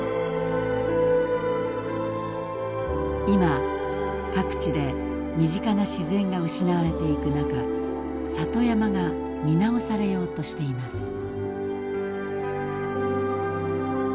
今各地で身近な自然が失われていく中里山が見直されようとしています。